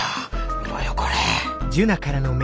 見ろよこれ。